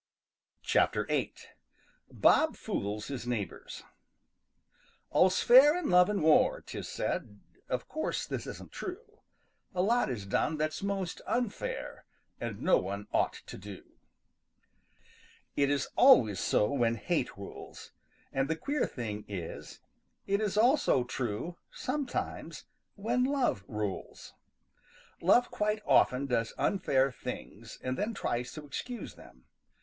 VIII. BOB FOOLS HIS NEIGHBORS ````"All's fair in love and war," 'tis said. `````Of course this isn't true. ````A lot is done that's most unfair `````And no one ought to do.= |IT is always so when hate rules, and the queer thing is it is also true sometimes when love rules. Love quite often does unfair things and then tries to excuse them.